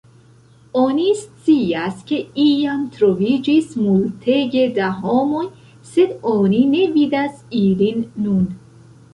Oni scias ke iam troviĝis multege da homoj, sed oni ne vidas ilin nun.